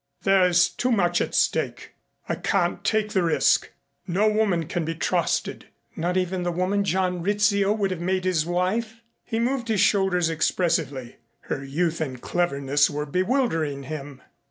"There is too much at stake. I can't take the risk. No woman can be trusted " "Not even the woman John Rizzio would have made his wife?" He moved his shoulders expressively. Her youth and cleverness were bewildering him.